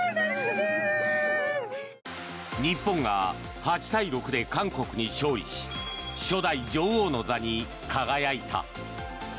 日本が８対６で韓国に勝利し初代女王の座に輝いた。